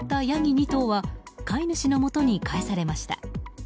２頭は飼い主のもとに返されました。